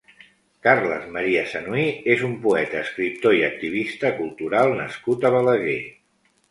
Carles Maria Sanuy és un poeta, escriptor i activista cultural nascut a Balaguer.